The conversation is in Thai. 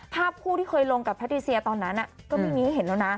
ภาพกที่เคยลงตอนนั้นก็ไม่เห็นแล้วนะ